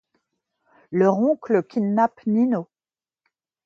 Leur oncle kidnappe Nino.